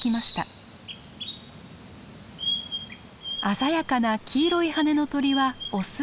鮮やかな黄色い羽の鳥はオス。